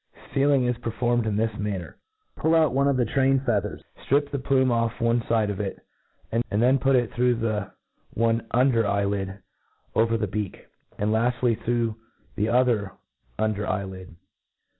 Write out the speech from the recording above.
Sicling is pcrformT ed in this manner : Pul^out one of the train fea thers ; ftrip the plume oflFone fide of it j and then gilt it through the one under eye lid, over the beak ; and laftly through thp othef under eyeJid.